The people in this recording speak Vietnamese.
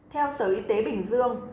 theo sở y tế bình dương